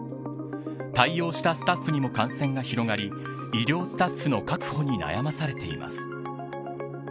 対応したスタッフにも感染が広がり医療スタッフの確保に悩まされています。